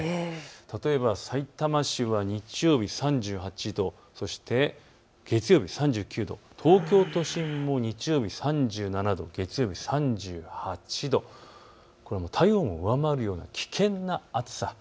例えばさいたま市は日曜日３８度、そして月曜日３９度、東京都心も日曜日３７度、月曜日３８度、これは体温を上回るような危険な暑さ。